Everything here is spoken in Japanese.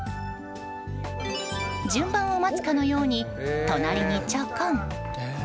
順番を待つかのように隣に、ちょこん。